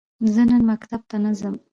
زه نن مکتب ته نه ځم.